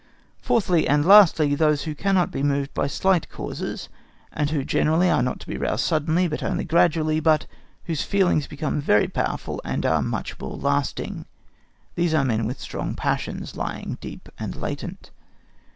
Fourthly, and lastly, those who cannot be moved by slight causes, and who generally are not to be roused suddenly, but only gradually; but whose feelings become very powerful and are much more lasting. These are men with strong passions, lying deep and latent.